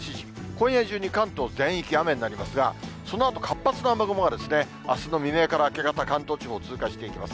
今夜中に関東全域、雨になりますが、そのあと、活発な雨雲があすの未明から明け方、関東地方を通過していきます。